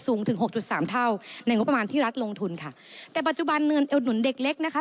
สูงถึงหกจุดสามเท่าในงบประมาณที่รัฐลงทุนค่ะแต่ปัจจุบันเงินเอวหนุนเด็กเล็กนะคะ